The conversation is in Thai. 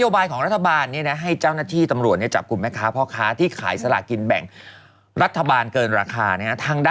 ภายหลังเจ้าหน้าที่ตำรวจได้จับกลุ่มไปเนี่ย